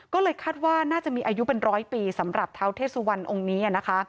ก็เลยคาดว่าน่าจะมีอายุเป็นร้อยปีสำหรับเท้าเทศวรรณองค์นี้นะคะ